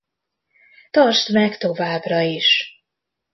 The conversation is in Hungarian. Tartsd meg továbbra is.